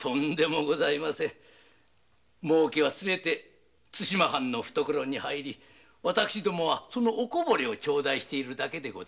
「もうけ」はすべて対馬藩の懐に入り私どもはそのオコボレを頂いているだけで。